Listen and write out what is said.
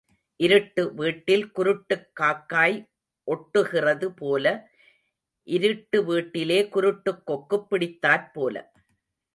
இருட்டு வீட்டில் குருட்டுக் காக்காய் ஒட்டுகிறது போல இருட்டு வீட்டிலே குருட்டுக் கொக்குப் பிடித்தாற் போல.